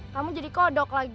kamu jadi kodok lagi